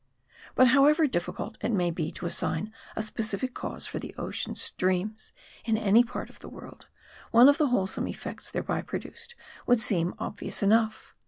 But however difficult it may be to assign a specific cause for the ocean streams, in any part of the world, one of the wholesome effects thereby produced would seem obvious enough.